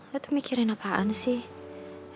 ya tuh mikirin apaan sih